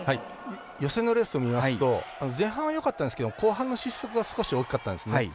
予選のレースを見ますと前半はよかったですけれども後半の失速が少し大きかったですね。